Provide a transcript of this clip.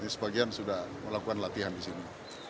sebagian sudah melakukan latihan di sini